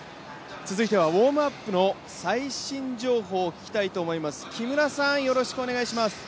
続いてはウォームアップの最新情報を聞きたいと思います。